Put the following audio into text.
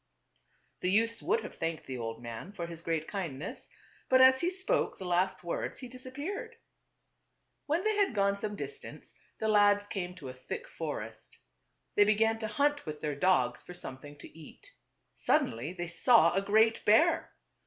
The youths would have thanked the old mail for his great kindness, but as he spoke the last words he disappeared. When they had gone some distance the lads came to a thick forest. They began to hunt with their dogs for something to eat. Suddenly they saw a great bear.